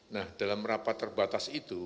nah dalam rapat terbatas itu